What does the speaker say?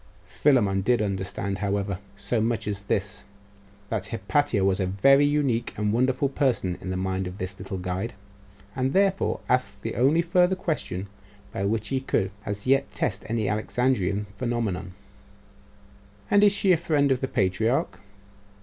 Philammon did understand, however, so much as this, that Hypatia was a very unique and wonderful person in the mind of his little guide; and therefore asked the only further question by which he could as yet test any Alexandrian phenomenon 'And is she a friend of the patriarch?